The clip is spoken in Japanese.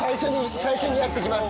最初にやっときます。